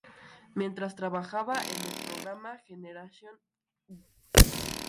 Mientras trabajaba en el programa "Generation u!